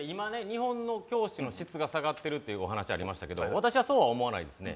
日本の教師の質が下がってるっていうお話ありましたけど私はそうは思わないですね